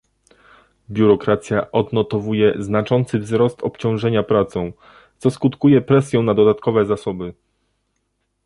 Biurokracja odnotowuje znaczący wzrost obciążenia pracą, co skutkuje presją na dodatkowe zasoby